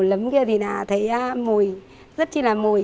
các quy trình ổ lấm thì thấy mùi rất là mùi